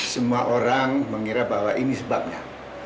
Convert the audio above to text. semua orang mengira bahwa ini sebabnya